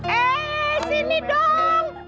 eh sini dong